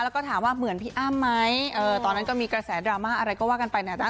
แล้วก็ถามว่าเหมือนพี่อ้ำไหมตอนนั้นก็มีกระแสดราม่าอะไรก็ว่ากันไปนะจ๊